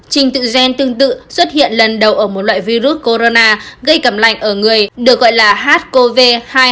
trình tự gen tương tự xuất hiện lần đầu ở một loại virus corona gây cầm lạnh ở người được gọi là sars cov hai trăm hai mươi chín e